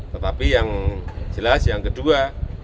tetapi yang jelas yang kedua